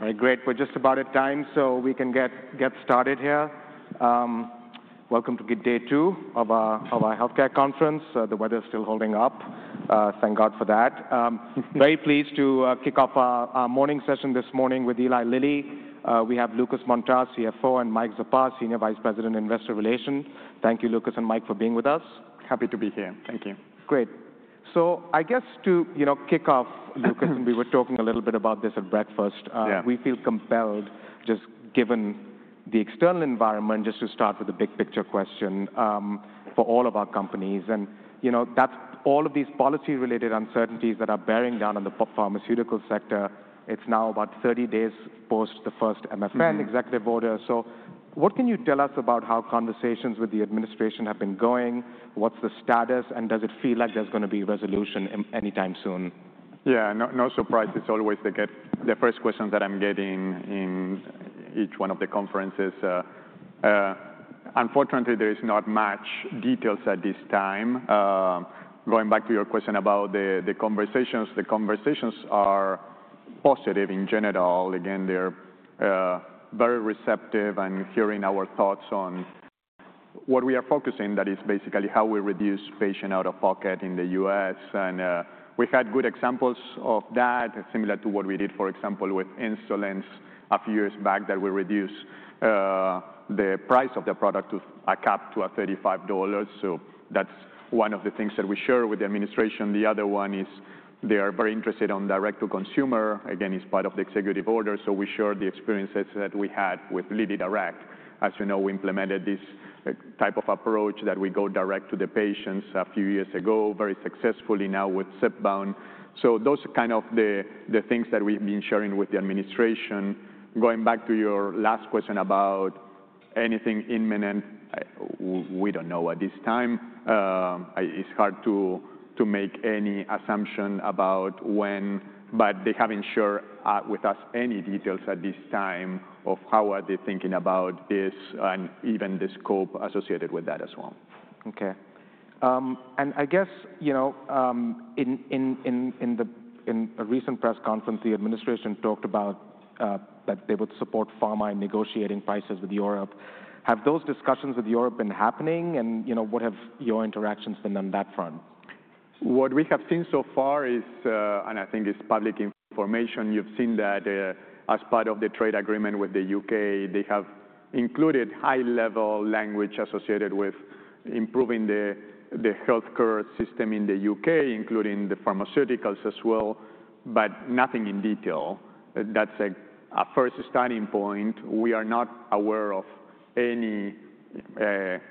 All right, great. We're just about at time, so we can get started here. Welcome to day two of our healthcare conference. The weather is still holding up. Thank God for that. Very pleased to kick off our morning session this morning with Eli Lilly. We have Lucas Montarce, CFO, and Mike Zuppa, Senior Vice President, Investor Relations. Thank you, Lucas and Mike, for being with us. Happy to be here. Thank you. Great. I guess to kick off, Lucas, and we were talking a little bit about this at breakfast, we feel compelled, just given the external environment, just to start with a big picture question for all of our companies. That is all of these policy-related uncertainties that are bearing down on the pharmaceutical sector. It is now about 30 days post the first MFN executive order. What can you tell us about how conversations with the administration have been going? What is the status? Does it feel like there is going to be resolution anytime soon? Yeah, no surprise. It's always the first questions that I'm getting in each one of the conferences. Unfortunately, there is not much details at this time. Going back to your question about the conversations, the conversations are positive in general. Again, they're very receptive and hearing our thoughts on what we are focusing on, that is basically how we reduce patient out-of-pocket in the US. We had good examples of that, similar to what we did, for example, with insulins a few years back, that we reduced the price of the product to a cap to $35. That's one of the things that we share with the administration. The other one is they are very interested in direct-to-consumer. Again, it's part of the executive order. We shared the experiences that we had with LillyDirect. As you know, we implemented this type of approach that we go direct to the patients a few years ago, very successfully now with Zepbound. Those are kind of the things that we've been sharing with the administration. Going back to your last question about anything imminent, we don't know at this time. It's hard to make any assumption about when, but they haven't shared with us any details at this time of how are they thinking about this and even the scope associated with that as well. Okay. I guess in a recent press conference, the administration talked about that they would support pharma in negotiating prices with Europe. Have those discussions with Europe been happening? What have your interactions been on that front? What we have seen so far is, and I think it's public information, you've seen that as part of the trade agreement with the U.K., they have included high-level language associated with improving the healthcare system in the U.K., including the pharmaceuticals as well, but nothing in detail. That's a first starting point. We are not aware of any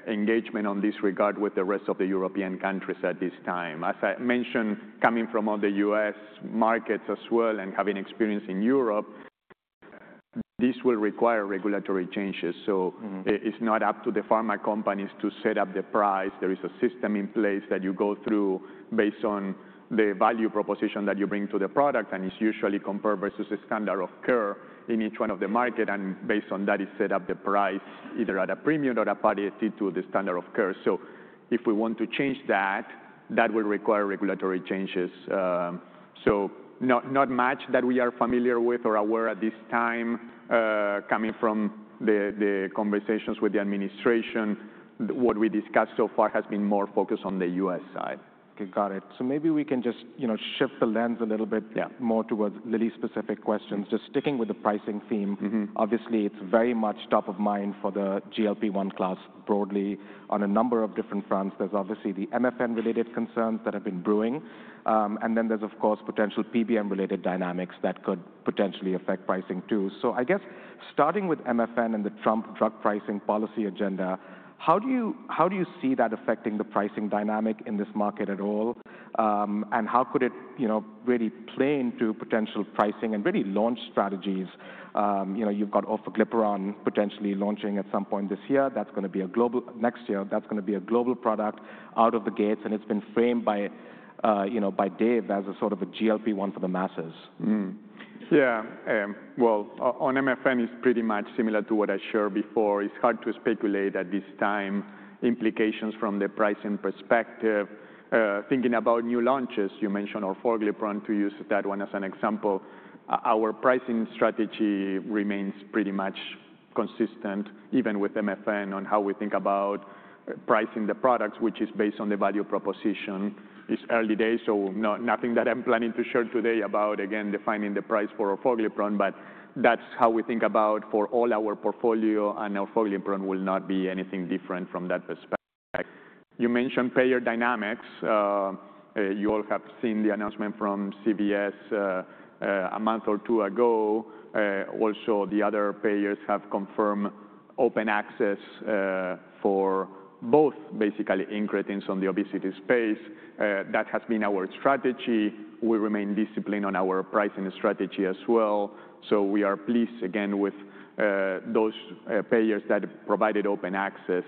engagement on this regard with the rest of the European countries at this time. As I mentioned, coming from all the U.S. markets as well and having experience in Europe, this will require regulatory changes. It is not up to the pharma companies to set up the price. There is a system in place that you go through based on the value proposition that you bring to the product. It is usually compared versus the standard of care in each one of the markets. Based on that, it's set up the price either at a premium or at a parity to the standard of care. If we want to change that, that will require regulatory changes. Not much that we are familiar with or aware at this time. Coming from the conversations with the administration, what we discussed so far has been more focused on the U.S. side. Okay, got it. Maybe we can just shift the lens a little bit more towards Lilly-specific questions. Just sticking with the pricing theme, obviously, it's very much top of mind for the GLP-1 class broadly on a number of different fronts. There's obviously the MFN-related concerns that have been brewing. Then there's, of course, potential PBM-related dynamics that could potentially affect pricing too. I guess starting with MFN and the Trump drug pricing policy agenda, how do you see that affecting the pricing dynamic in this market at all? How could it really play into potential pricing and really launch strategies? You've got Orforglipron potentially launching at some point this year. That's going to be a global next year. That's going to be a global product out of the gates. It's been framed by Dave as a sort of a GLP-1 for the masses. Yeah. On MFN, it's pretty much similar to what I shared before. It's hard to speculate at this time implications from the pricing perspective. Thinking about new launches, you mentioned Orforglipron, to use that one as an example, our pricing strategy remains pretty much consistent, even with MFN, on how we think about pricing the products, which is based on the value proposition. It's early days, so nothing that I'm planning to share today about, again, defining the price for Orforglipron. That's how we think about for all our portfolio. Orforglipron will not be anything different from that perspective. You mentioned payer dynamics. You all have seen the announcement from CVS a month or two ago. Also, the other payers have confirmed open access for both, basically, incretins on the obesity space. That has been our strategy. We remain disciplined on our pricing strategy as well. We are pleased, again, with those payers that provided open access.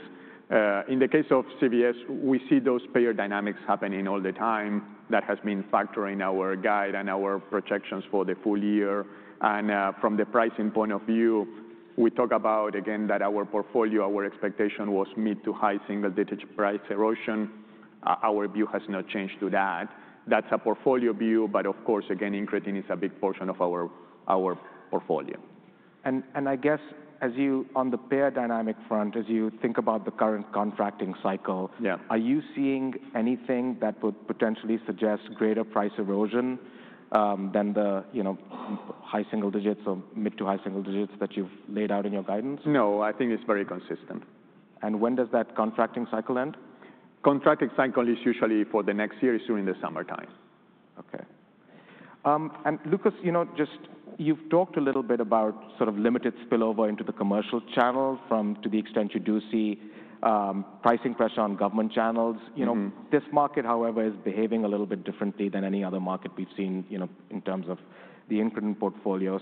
In the case of CVS, we see those payer dynamics happening all the time. That has been a factor in our guide and our projections for the full year. From the pricing point of view, we talk about, again, that our portfolio, our expectation was mid to high single-digit price erosion. Our view has not changed to that. That is a portfolio view, but of course, again, incretin is a big portion of our portfolio. I guess, on the payer dynamic front, as you think about the current contracting cycle, are you seeing anything that would potentially suggest greater price erosion than the high single digits or mid to high single digits that you've laid out in your guidance? No, I think it's very consistent. When does that contracting cycle end? Contracting cycle is usually for the next year, soon in the summertime. Okay. Lucas, you've talked a little bit about sort of limited spillover into the commercial channel to the extent you do see pricing pressure on government channels. This market, however, is behaving a little bit differently than any other market we've seen in terms of the incretin portfolio.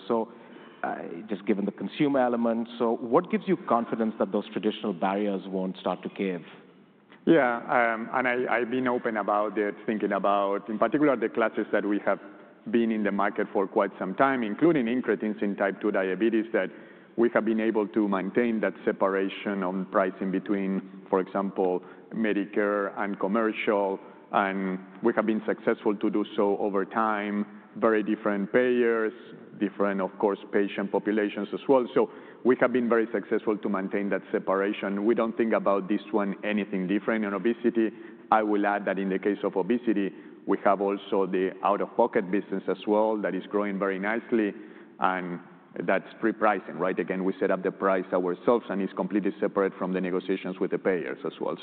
Just given the consumer element, what gives you confidence that those traditional barriers won't start to cave? Yeah. I've been open about it, thinking about, in particular, the classes that we have been in the market for quite some time, including incretins in type 2 diabetes, that we have been able to maintain that separation on pricing between, for example, Medicare and commercial. We have been successful to do so over time. Very different payers, different, of course, patient populations as well. We have been very successful to maintain that separation. We do not think about this one anything different in obesity. I will add that in the case of obesity, we have also the out-of-pocket business as well that is growing very nicely. That is pre-pricing, right? Again, we set up the price ourselves, and it is completely separate from the negotiations with the payers as well.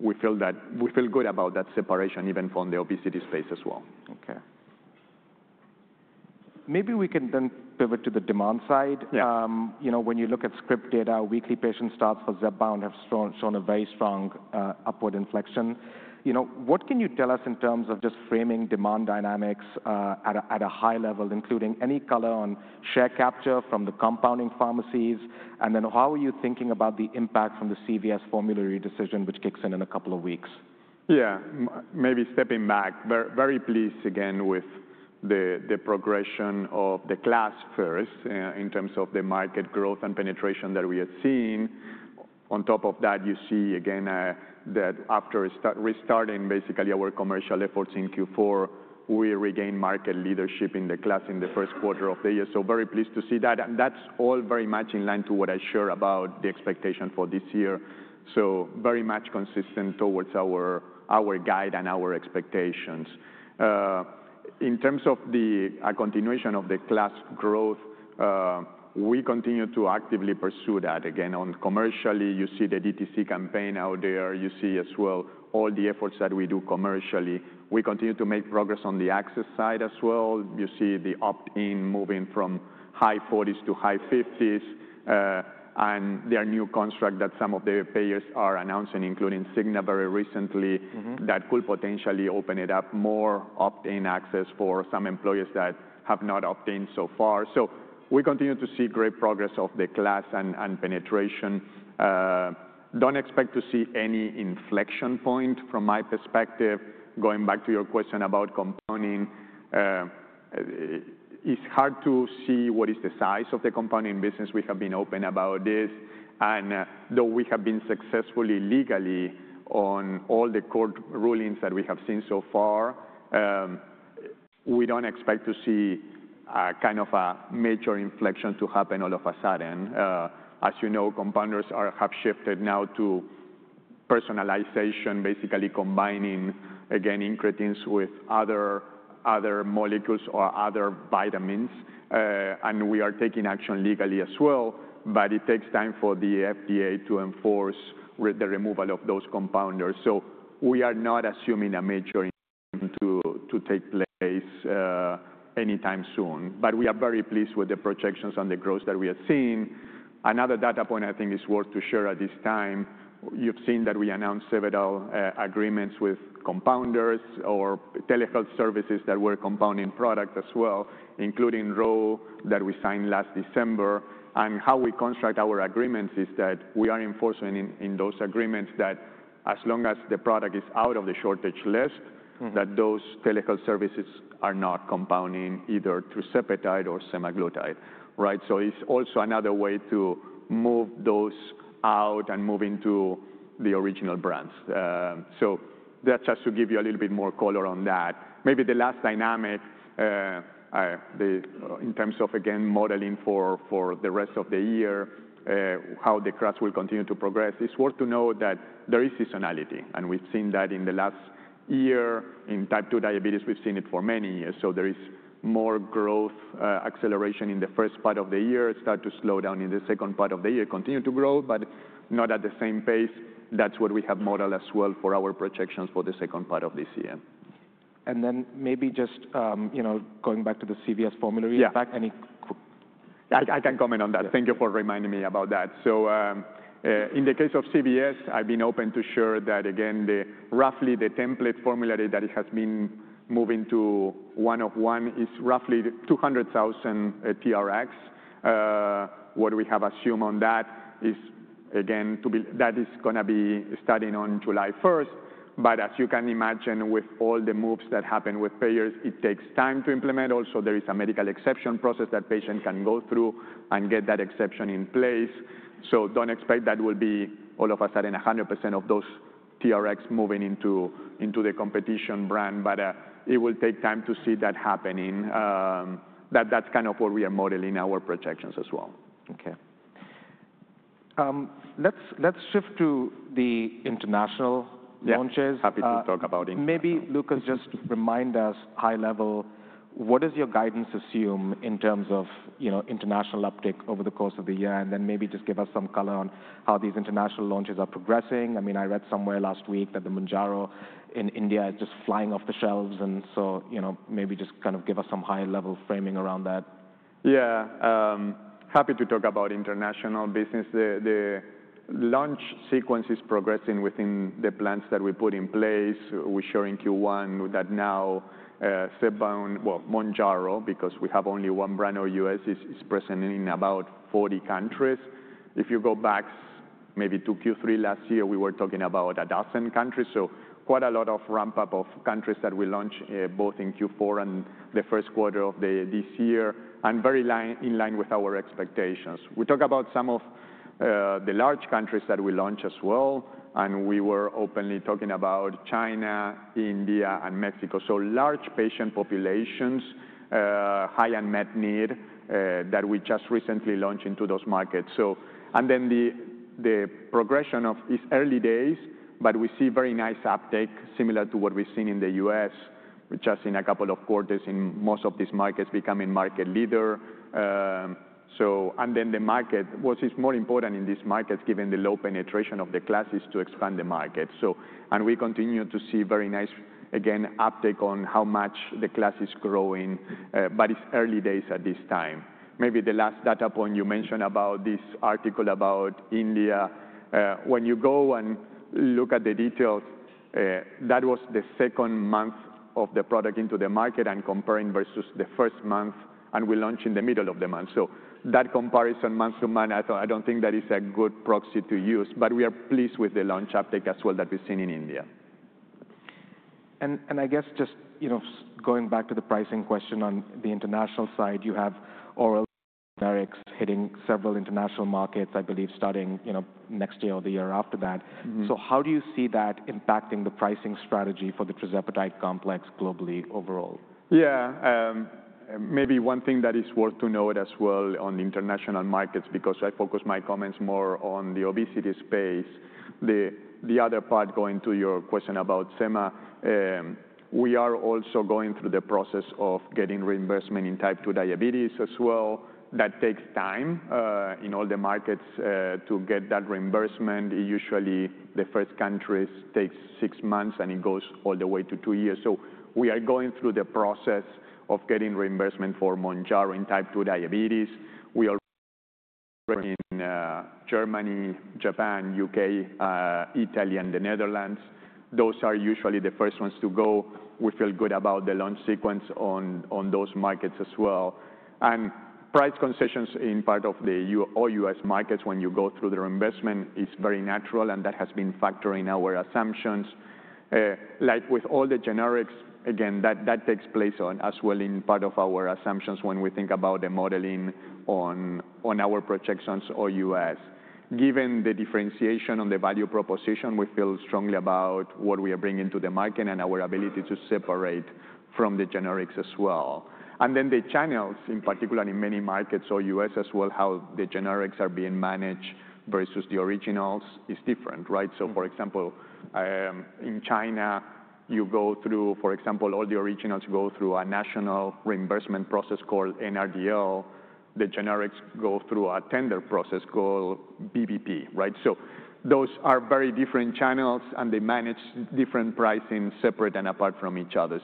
We feel good about that separation, even from the obesity space as well. Okay. Maybe we can then pivot to the demand side. When you look at SCRIPT data, weekly patient starts for Zepbound have shown a very strong upward inflection. What can you tell us in terms of just framing demand dynamics at a high level, including any color on share capture from the compounding pharmacies? What are you thinking about the impact from the CVS formulary decision, which kicks in in a couple of weeks? Yeah, maybe stepping back, very pleased, again, with the progression of the class first in terms of the market growth and penetration that we have seen. On top of that, you see, again, that after restarting, basically, our commercial efforts in Q4, we regained market leadership in the class in the first quarter of the year. Very pleased to see that. That is all very much in line to what I shared about the expectation for this year. Very much consistent towards our guide and our expectations. In terms of the continuation of the class growth, we continue to actively pursue that. Again, commercially, you see the DTC campaign out there. You see as well all the efforts that we do commercially. We continue to make progress on the access side as well. You see the opt-in moving from high 40% to high 50%. There are new constructs that some of the payers are announcing, including Cigna very recently, that could potentially open it up more opt-in access for some employers that have not opted in so far. We continue to see great progress of the class and penetration. I do not expect to see any inflection point from my perspective. Going back to your question about compounding, it is hard to see what is the size of the compounding business. We have been open about this. And though we have been successful legally on all the court rulings that we have seen so far, we do not expect to see kind of a major inflection to happen all of a sudden. As you know, compounders have shifted now to personalization, basically combining, again, incretins with other molecules or other vitamins. We are taking action legally as well. It takes time for the FDA to enforce the removal of those compounders. We are not assuming a major increase to take place anytime soon. We are very pleased with the projections on the growth that we have seen. Another data point I think is worth to share at this time. You have seen that we announced several agreements with compounders or telehealth services that were compounding products as well, including Ro that we signed last December. How we construct our agreements is that we are enforcing in those agreements that as long as the product is out of the shortage list, those telehealth services are not compounding either through Sempetide or Semaglutide. Right? It is also another way to move those out and move into the original brands. That is just to give you a little bit more color on that. Maybe the last dynamic in terms of, again, modeling for the rest of the year, how the class will continue to progress, it's worth to note that there is seasonality. We've seen that in the last year. In type 2 diabetes, we've seen it for many years. There is more growth acceleration in the first part of the year, start to slow down in the second part of the year, continue to grow, but not at the same pace. That's what we have modeled as well for our projections for the second part of this year. Maybe just going back to the CVS formulary effect, any quick. I can comment on that. Thank you for reminding me about that. In the case of CVS, I've been open to share that, again, roughly the template formulary that it has been moving to one-of-one is roughly 200,000 TRx. What we have assumed on that is, again, that is going to be starting on July 1. As you can imagine, with all the moves that happen with payers, it takes time to implement. Also, there is a medical exception process that patients can go through and get that exception in place. Do not expect that will be all of a sudden 100% of those TRx moving into the competition brand. It will take time to see that happening. That is kind of what we are modeling our projections as well. Okay. Let's shift to the international launches. Yeah, happy to talk about it. Maybe, Lucas, just remind us high level, what does your guidance assume in terms of international uptake over the course of the year? Maybe just give us some color on how these international launches are progressing. I mean, I read somewhere last week that the Mounjaro in India is just flying off the shelves. Maybe just kind of give us some high-level framing around that. Yeah. Happy to talk about international business. The launch sequence is progressing within the plans that we put in place. We're sharing Q1 that now Zepbound, well, Mounjaro, because we have only one brand for US, is present in about 40 countries. If you go back maybe to Q3 last year, we were talking about a dozen countries. Quite a lot of ramp-up of countries that we launched both in Q4 and the first quarter of this year, and very in line with our expectations. We talk about some of the large countries that we launched as well. We were openly talking about China, India, and Mexico. Large patient populations, high unmet need that we just recently launched into those markets. The progression of its early days, but we see very nice uptake similar to what we've seen in the U.S., which has in a couple of quarters in most of these markets becoming market leader. The market, what is more important in these markets, given the low penetration of the class, is to expand the market. We continue to see very nice, again, uptake on how much the class is growing, but it's early days at this time. Maybe the last data point you mentioned about this article about India, when you go and look at the details, that was the second month of the product into the market and comparing versus the first month, and we launched in the middle of the month. That comparison month to month, I don't think that is a good proxy to use. We are pleased with the launch uptake as well that we've seen in India. I guess just going back to the pricing question on the international side, you have oral generics hitting several international markets, I believe, starting next year or the year after that. How do you see that impacting the pricing strategy for the Tirzepatide complex globally overall? Yeah. Maybe one thing that is worth to note as well on the international markets, because I focus my comments more on the obesity space, the other part going to your question about SEMA, we are also going through the process of getting reimbursement in type 2 diabetes as well. That takes time in all the markets to get that reimbursement. Usually, the first countries take six months, and it goes all the way to two years. We are going through the process of getting reimbursement for Mounjaro in type 2 diabetes. We are operating in Germany, Japan, U.K., Italy, and the Netherlands. Those are usually the first ones to go. We feel good about the launch sequence on those markets as well. Price concessions in part of all U.S. markets when you go through the reimbursement is very natural, and that has been factoring our assumptions. Like with all the generics, again, that takes place as well in part of our assumptions when we think about the modeling on our projections or U.S. Given the differentiation on the value proposition, we feel strongly about what we are bringing to the market and our ability to separate from the generics as well. The channels, in particular, in many markets or U.S. as well, how the generics are being managed versus the originals is different, right? For example, in China, you go through, for example, all the originals go through a national reimbursement process called NRDL. The generics go through a tender process called BBP, right? Those are very different channels, and they manage different pricing separate and apart from each other.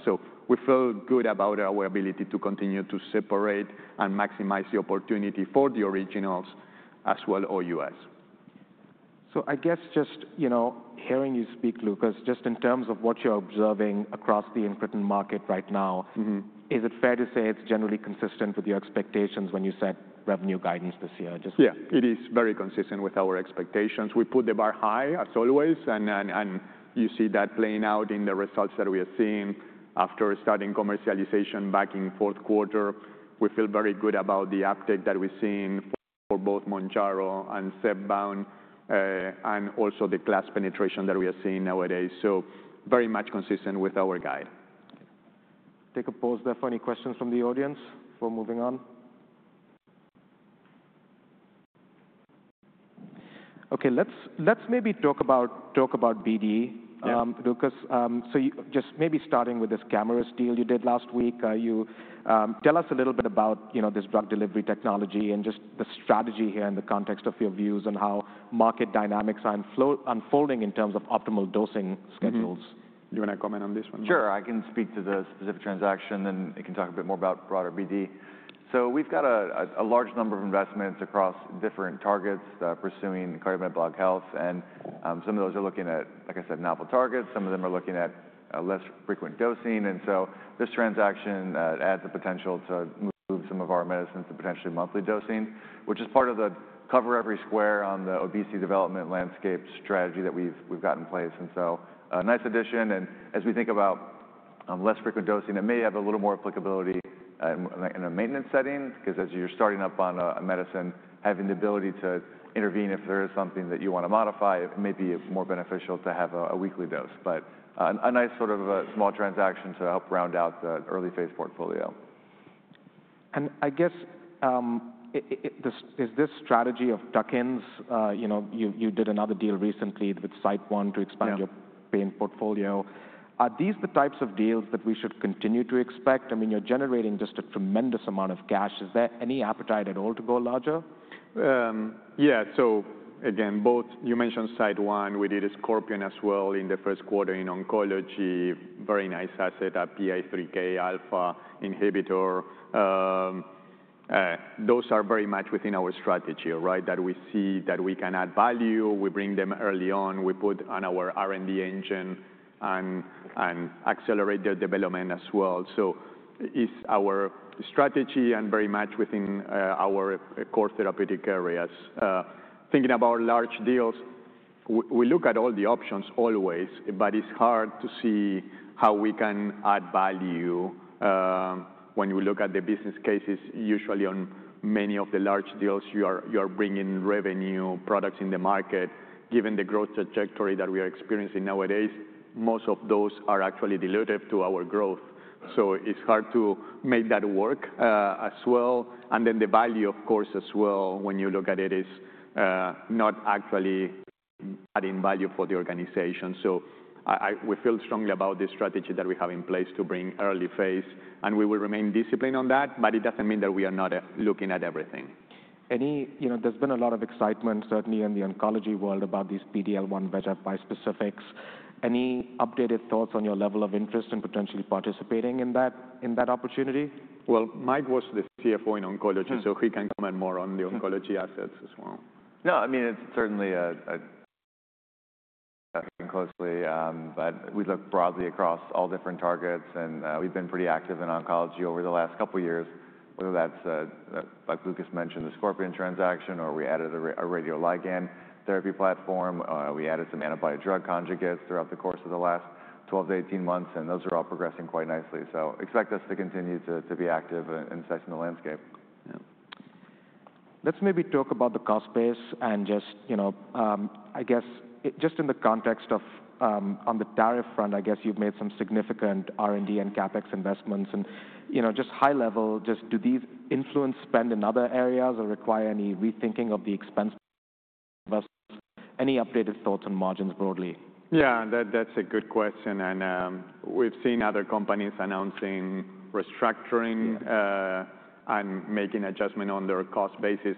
We feel good about our ability to continue to separate and maximize the opportunity for the originals as well or U.S. I guess just hearing you speak, Lucas, just in terms of what you're observing across the incretin market right now, is it fair to say it's generally consistent with your expectations when you set revenue guidance this year? Yeah, it is very consistent with our expectations. We put the bar high, as always. You see that playing out in the results that we are seeing after starting commercialization back in fourth quarter. We feel very good about the uptake that we've seen for both Mounjaro and Zepbound, and also the class penetration that we are seeing nowadays. Very much consistent with our guide. Take a pause. Definitely questions from the audience before moving on. Okay, let's maybe talk about BD, Lucas. So just maybe starting with this cameras deal you did last week, tell us a little bit about this drug delivery technology and just the strategy here in the context of your views and how market dynamics are unfolding in terms of optimal dosing schedules. Do you want to comment on this one? Sure. I can speak to the specific transaction, and then I can talk a bit more about broader BD. We have a large number of investments across different targets that are pursuing cardiometabolic health. Some of those are looking at, like I said, novel targets. Some of them are looking at less frequent dosing. This transaction adds the potential to move some of our medicines to potentially monthly dosing, which is part of the cover every square on the obesity development landscape strategy that we have in place. It is a nice addition. As we think about less frequent dosing, it may have a little more applicability in a maintenance setting, because as you are starting up on a medicine, having the ability to intervene if there is something that you want to modify, it may be more beneficial to have a weekly dose. A nice sort of small transaction to help round out the early phase portfolio. I guess is this strategy of Duckens, you did another deal recently with SiteOne to expand your pain portfolio. Are these the types of deals that we should continue to expect? I mean, you're generating just a tremendous amount of cash. Is there any appetite at all to go larger? Yeah. Again, both you mentioned SiteOne, we did a Scorpion as well in the first quarter in oncology, very nice asset, a PI3K alpha inhibitor. Those are very much within our strategy, right, that we see that we can add value. We bring them early on. We put on our R&D engine and accelerate their development as well. It is our strategy and very much within our core therapeutic areas. Thinking about large deals, we look at all the options always, but it is hard to see how we can add value. When you look at the business cases, usually on many of the large deals, you are bringing revenue products in the market. Given the growth trajectory that we are experiencing nowadays, most of those are actually dilutive to our growth. It is hard to make that work as well. The value, of course, as well, when you look at it, is not actually adding value for the organization. We feel strongly about the strategy that we have in place to bring early phase. We will remain disciplined on that, but it doesn't mean that we are not looking at everything. There's been a lot of excitement, certainly in the oncology world about these PD-L1/VEGF bispecifics. Any updated thoughts on your level of interest in potentially participating in that opportunity? Mike was the CFO in oncology, so he can comment more on the oncology assets as well. No, I mean, it's certainly a closely, but we look broadly across all different targets. And we've been pretty active in oncology over the last couple of years, whether that's, like Lucas mentioned, the Scorpion transaction, or we added a radioligand therapy platform. We added some antibody drug conjugates throughout the course of the last 12 to 18 months, and those are all progressing quite nicely. So expect us to continue to be active and inciting the landscape. Let's maybe talk about the cost base and just, I guess, just in the context of on the tariff front, I guess you've made some significant R&D and CapEx investments. Just high level, do these influence spend in other areas or require any rethinking of the expense? Any updated thoughts on margins broadly? Yeah, that's a good question. We've seen other companies announcing restructuring and making adjustment on their cost basis.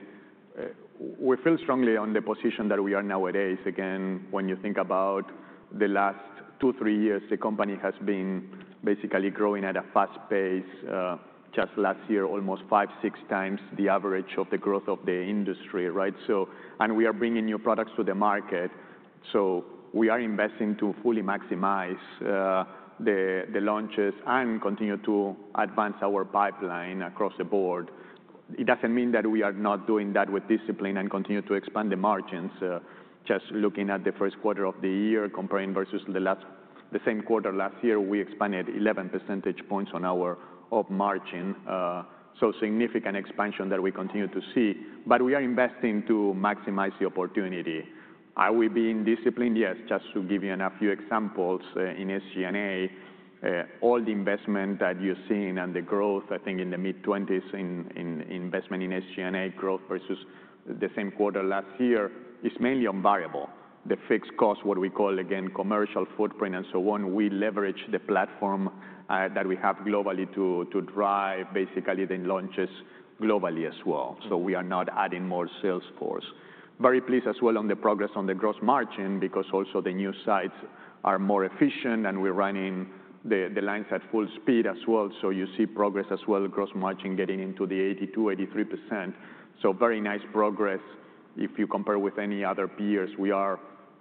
We feel strongly on the position that we are nowadays. Again, when you think about the last two, three years, the company has been basically growing at a fast pace. Just last year, almost five, six times the average of the growth of the industry, right? We are bringing new products to the market. We are investing to fully maximize the launches and continue to advance our pipeline across the board. It doesn't mean that we are not doing that with discipline and continue to expand the margins. Just looking at the first quarter of the year, comparing versus the same quarter last year, we expanded 11 percentage points on our up margin. Significant expansion that we continue to see. We are investing to maximize the opportunity. Are we being disciplined? Yes. Just to give you a few examples in SG&A, all the investment that you're seeing and the growth, I think in the mid-20s in investment in SG&A growth versus the same quarter last year is mainly on variable. The fixed cost, what we call, again, commercial footprint and so on, we leverage the platform that we have globally to drive basically the launches globally as well. We are not adding more sales force. Very pleased as well on the progress on the gross margin, because also the new sites are more efficient, and we're running the lines at full speed as well. You see progress as well, gross margin getting into the 82-83%. Very nice progress. If you compare with any other peers, we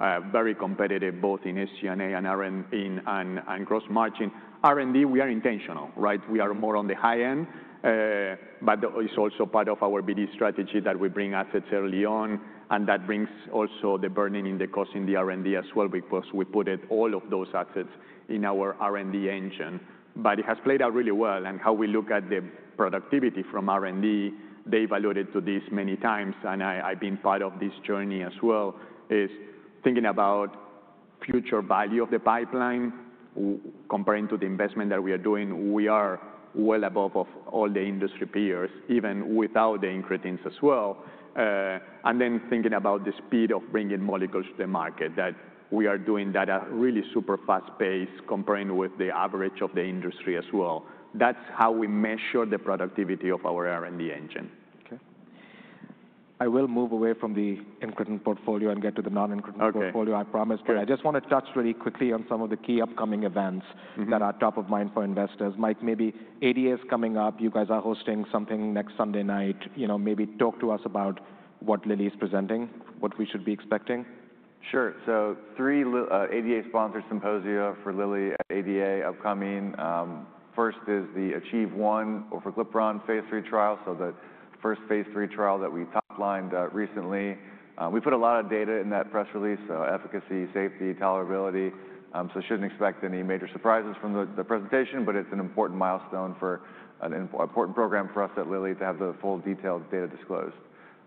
are very competitive both in SG&A and gross margin. R&D, we are intentional, right? We are more on the high end, but it's also part of our BD strategy that we bring assets early on. That brings also the burning in the cost in the R&D as well, because we put all of those assets in our R&D engine. It has played out really well. How we look at the productivity from R&D, they evaluated to this many times. I've been part of this journey as well, is thinking about future value of the pipeline comparing to the investment that we are doing. We are well above all the industry peers, even without the incretins as well. Thinking about the speed of bringing molecules to the market, we are doing that at really super fast pace comparing with the average of the industry as well. That's how we measure the productivity of our R&D engine. Okay. I will move away from the incretin portfolio and get to the non-incretin portfolio, I promise. I just want to touch really quickly on some of the key upcoming events that are top of mind for investors. Mike, maybe ADA is coming up. You guys are hosting something next Sunday night. Maybe talk to us about what Lilly is presenting, what we should be expecting. Sure. So three ADA sponsored symposia for Lilly at ADA upcoming. First is the AchieveOne Orforglipron phase III trial. So the first phase III trial that we top lined recently. We put a lot of data in that press release, so efficacy, safety, tolerability. Should not expect any major surprises from the presentation, but it is an important milestone for an important program for us at Lilly to have the full detailed data disclosed.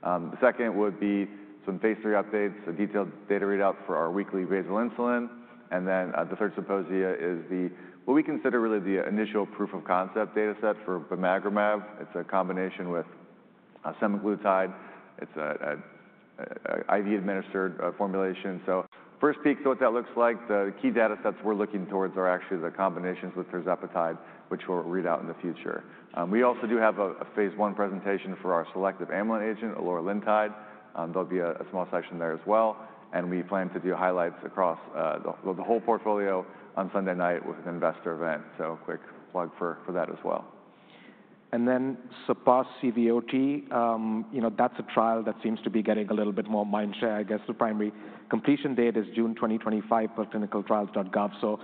The second would be some phase III updates, a detailed data readout for our weekly basal insulin. The third symposia is what we consider really the initial proof of concept data set for Bimagrumab. It is a combination with semaglutide. It is an IV administered formulation. First peek to what that looks like. The key data sets we are looking towards are actually the combinations with Tirzepatide, which will read out in the future. We also do have a phase I presentation for our selective amylin agent, Eloralintide. There'll be a small section there as well. We plan to do highlights across the whole portfolio on Sunday night with an investor event. Quick plug for that as well. And then SURPASS-CVOT. That's a trial that seems to be getting a little bit more mindshare. I guess the primary completion date is June 2025 per clinicaltrials.gov.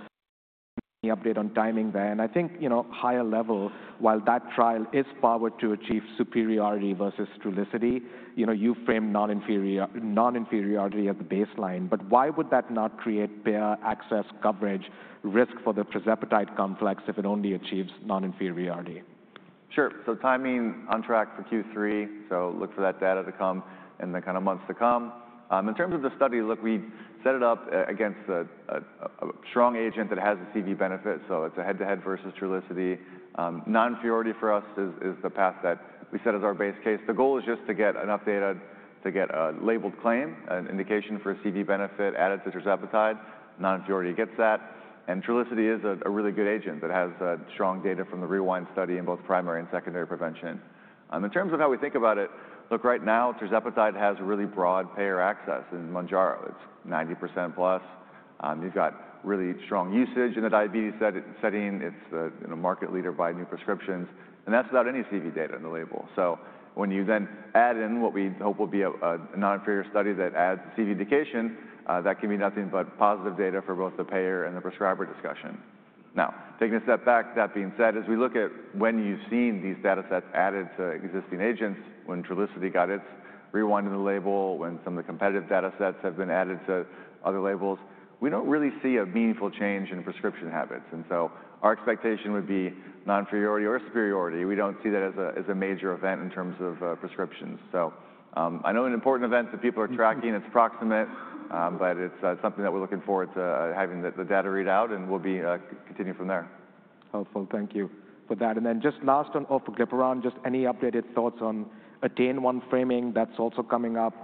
Any update on timing there? I think higher level, while that trial is powered to achieve superiority versus Trulicity, you frame non-inferiority at the baseline. Why would that not create payer access coverage risk for the Tirzepatide complex if it only achieves non-inferiority? Sure. Timing on track for Q3. Look for that data to come in the months to come. In terms of the study, we set it up against a strong agent that has a CV benefit. It is a head-to-head versus Trulicity. Non-inferiority for us is the path that we set as our base case. The goal is just to get enough data to get a labeled claim, an indication for a CV benefit added to Tirzepatide. Non-inferiority gets that. Trulicity is a really good agent that has strong data from the REWIND study in both primary and secondary prevention. In terms of how we think about it, right now, Tirzepatide has really broad payer access in Mounjaro. It is 90% plus. You have really strong usage in the diabetes setting. It is a market leader by new prescriptions. That is without any CV data in the label. When you then add in what we hope will be a non-inferior study that adds the CV indication, that can be nothing but positive data for both the payer and the prescriber discussion. Now, taking a step back, that being said, as we look at when you have seen these data sets added to existing agents, when Trulicity got its REWIND in the label, when some of the competitive data sets have been added to other labels, we do not really see a meaningful change in prescription habits. Our expectation would be non-inferiority or superiority. We do not see that as a major event in terms of prescriptions. I know an important event that people are tracking. It is proximate, but it is something that we are looking forward to having the data read out, and we will be continuing from there. Helpful. Thank you for that. And then just last on Orforglipron, just any updated thoughts on ATTAIN-1 framing that's also coming up?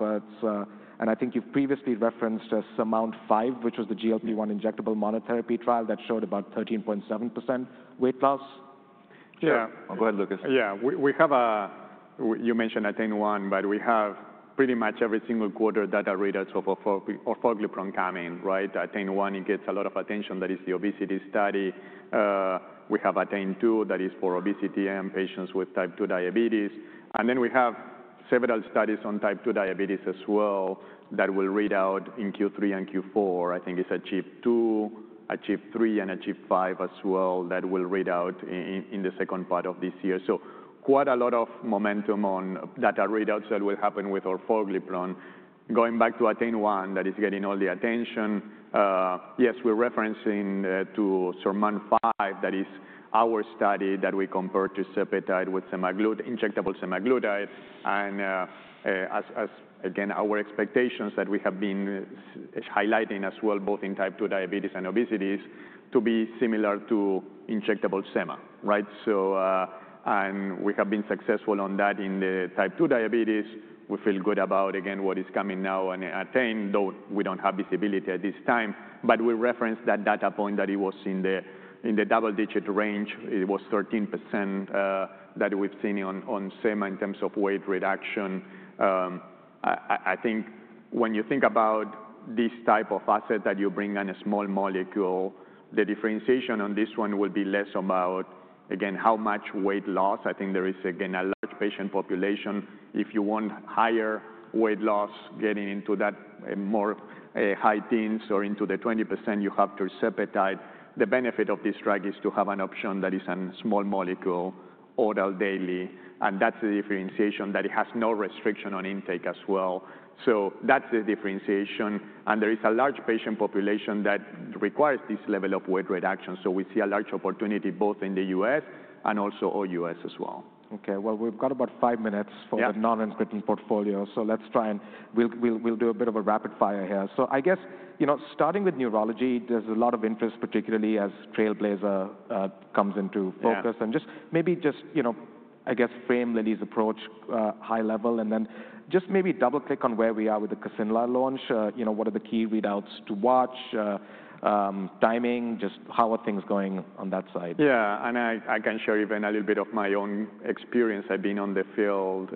And I think you've previously referenced SURMOUNT-5, which was the GLP-1 injectable monotherapy trial that showed about 13.7% weight loss. Yeah. I'll go ahead, Lucas. Yeah. You mentioned ATTAIN-1, but we have pretty much every single quarter data readouts of Orforglipron coming, right? ATTAIN-1, it gets a lot of attention. That is the obesity study. We have ATTAIN-2 that is for obesity and patients with type 2 diabetes. And then we have several studies on type 2 diabetes as well that will read out in Q3 and Q4. I think it's ACHIEVE-2, ACHIEVE-3, and ACHIEVE-5 as well that will read out in the second part of this year. So quite a lot of momentum on data readouts that will happen with Orforglipron. Going back to ATTAIN-1 that is getting all the attention, yes, we're referencing to SURMOUNT-5. That is our study that we compare to subcutaneous injectable semaglutide. Our expectations that we have been highlighting as well, both in type 2 diabetes and obesities, are to be similar to injectable sema, right? We have been successful on that in type 2 diabetes. We feel good about, again, what is coming now on Orforglipron, though we do not have visibility at this time. We referenced that data point that it was in the double-digit range. It was 13% that we have seen on sema in terms of weight reduction. I think when you think about this type of asset that you bring on a small molecule, the differentiation on this one will be less about, again, how much weight loss. I think there is, again, a large patient population. If you want higher weight loss, getting into that more high teens or into the 20% range, you have Tirzepatide. The benefit of this drug is to have an option that is a small molecule oral daily. That is the differentiation that it has no restriction on intake as well. That is the differentiation. There is a large patient population that requires this level of weight reduction. We see a large opportunity both in the U.S. and also OUS as well. Okay. We've got about five minutes for the non-incretin portfolio. Let's try and do a bit of a rapid fire here. I guess starting with neurology, there's a lot of interest, particularly as Trailblazer comes into focus. Maybe just frame Lilly's approach high level and then maybe double-click on where we are with the Kisunla launch. What are the key readouts to watch? Timing, just how are things going on that side? Yeah. I can share even a little bit of my own experience. I've been on the field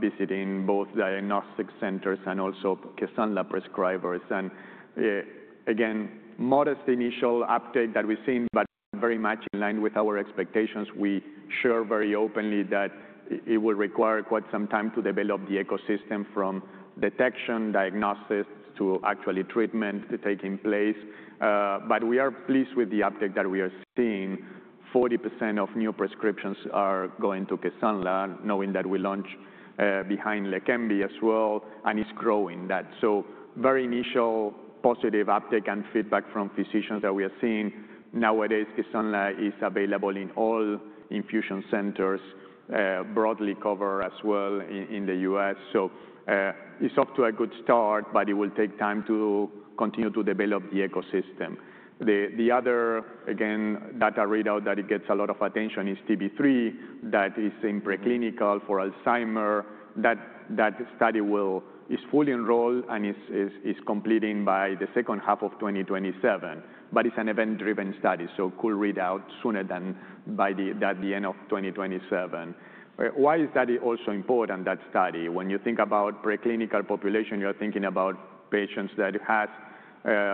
visiting both diagnostic centers and also Kisunla prescribers. Again, modest initial uptake that we've seen, but very much in line with our expectations. We share very openly that it will require quite some time to develop the ecosystem from detection, diagnosis, to actually treatment to take in place. We are pleased with the uptake that we are seeing. 40% of new prescriptions are going to Kisunla, knowing that we launched behind Leqembi as well. It's growing that. Very initial positive uptake and feedback from physicians that we are seeing. Nowadays, Kisunla is available in all infusion centers, broadly covered as well in the U.S. It's off to a good start, but it will take time to continue to develop the ecosystem. The other, again, data readout that it gets a lot of attention is TB3 that is in preclinical for Alzheimer. That study is fully enrolled and is completing by the second half of 2027, but it's an event-driven study. Could read out sooner than by the end of 2027. Why is that also important, that study? When you think about preclinical population, you're thinking about patients that have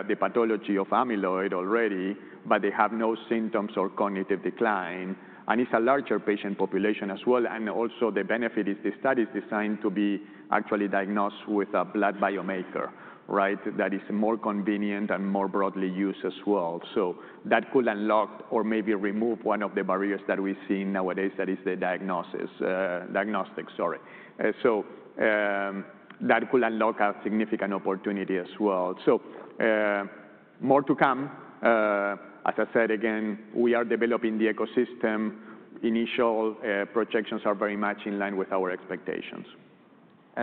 the pathology of amyloid already, but they have no symptoms or cognitive decline. It's a larger patient population as well. Also, the benefit is the study is designed to be actually diagnosed with a blood biomarker, right? That is more convenient and more broadly used as well. That could unlock or maybe remove one of the barriers that we see nowadays that is the diagnostics, sorry. That could unlock a significant opportunity as well. More to come. As I said, again, we are developing the ecosystem. Initial projections are very much in line with our expectations.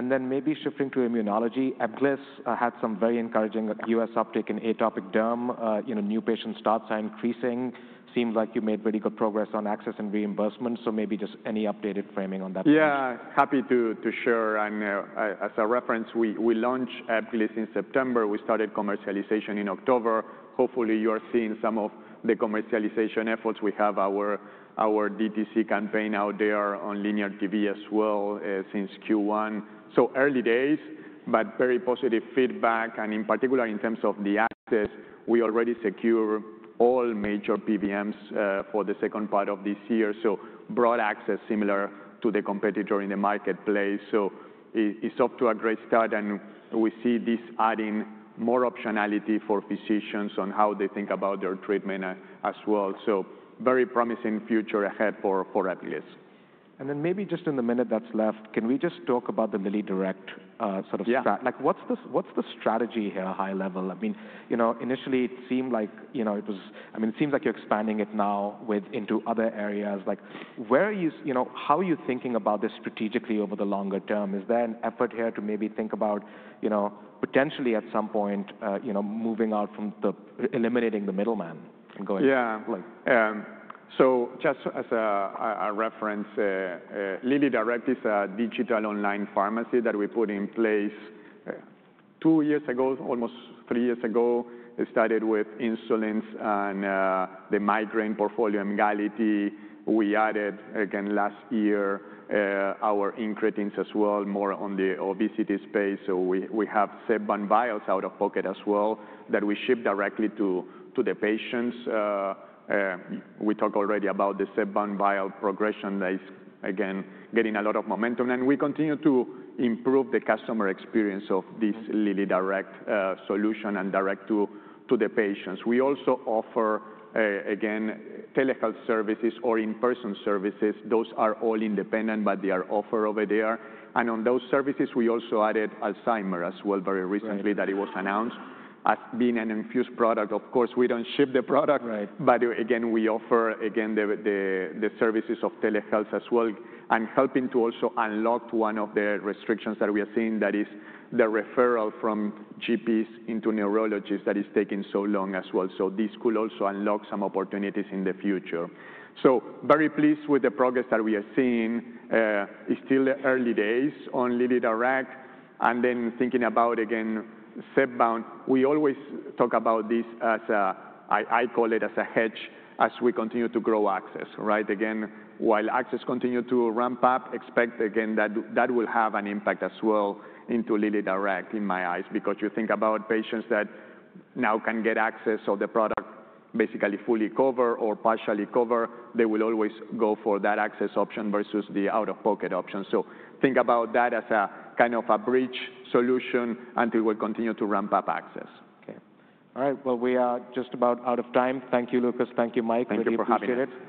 Maybe shifting to immunology, Ebglyss had some very encouraging US uptake in atopic derm. New patient starts are increasing. Seems like you made pretty good progress on access and reimbursement. Maybe just any updated framing on that. Yeah. Happy to share. As a reference, we launched Ebglyss in September. We started commercialization in October. Hopefully, you are seeing some of the commercialization efforts. We have our DTC campaign out there on linear TV as well since Q1. Early days, but very positive feedback. In particular, in terms of the access, we already secure all major PBMs for the second part of this year. Broad access similar to the competitor in the marketplace. It is off to a great start. We see this adding more optionality for physicians on how they think about their treatment as well. Very promising future ahead for Ebglyss. Maybe just in the minute that's left, can we just talk about the LillyDirect sort of strategy? What's the strategy here high level? I mean, initially, it seemed like it was, I mean, it seems like you're expanding it now into other areas. How are you thinking about this strategically over the longer term? Is there an effort here to maybe think about potentially at some point moving out from eliminating the middleman and going? Yeah. Just as a reference, LillyDirect is a digital online pharmacy that we put in place two years ago, almost three years ago. It started with insulins and the migraine portfolio Emgality. We added, again, last year our incretins as well, more on the obesity space. We have Zepbound vials out of pocket as well that we ship directly to the patients. We talked already about the Zepbound vial progression that is, again, getting a lot of momentum. We continue to improve the customer experience of this LillyDirect solution and direct to the patients. We also offer, again, telehealth services or in-person services. Those are all independent, but they are offered over there. On those services, we also added Alzheimer as well very recently that it was announced as being an infused product. Of course, we do not ship the product, but again, we offer, again, the services of telehealth as well. Helping to also unlock one of the restrictions that we are seeing that is the referral from GPs into neurologists that is taking so long as well. This could also unlock some opportunities in the future. Very pleased with the progress that we are seeing. It is still early days on LillyDirect. Thinking about, again, Zepbound, we always talk about this as a, I call it as a hedge as we continue to grow access, right? Again, while access continues to ramp up, expect, again, that will have an impact as well into LillyDirect in my eyes because you think about patients that now can get access or the product basically fully cover or partially cover, they will always go for that access option versus the out-of-pocket option. Think about that as a kind of a bridge solution until we continue to ramp up access. Okay. All right. We are just about out of time. Thank you, Lucas. Thank you, Mike. Thank you for having me.